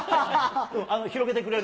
広げてくれる？